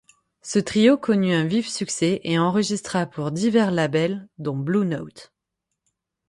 Ce trio connut un vif succès et enregistra pour divers labels dont Blue Note.